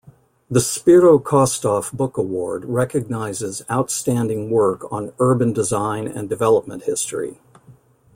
The "Spiro Kostof Book Award" recognizes outstanding work on urban design and development history.